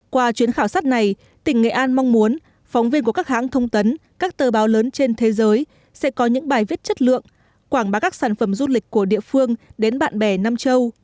qua chuyến khảo sát này tỉnh nghệ an mong muốn phóng viên của các hãng thông tấn các tờ báo lớn trên thế giới sẽ có những bài viết chất lượng quảng bá các sản phẩm du lịch của địa phương đến bạn bè nam châu